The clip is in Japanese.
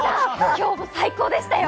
今日も最高でしたよ。